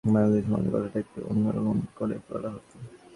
কলকাতায় জুলাই-আগস্টে বাংলাদেশ মহলে কথাটা একটু অন্য রকম করে বলা হতো।